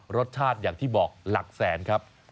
รสชาติอย่างที่บอกหลักแสนครับ